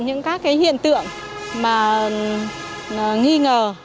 những các hiện tượng nghi ngờ